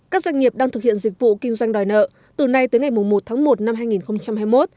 các doanh nghiệp đang thực hiện dịch vụ kinh doanh đòi nợ từ nay tới ngày một tháng một năm hai nghìn hai mươi một